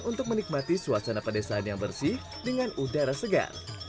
untuk menikmati suasana pedesaan yang bersih dengan udara segar